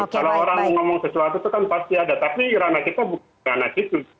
kalau orang ngomong sesuatu itu kan pasti ada tapi rana kita bukan rana itu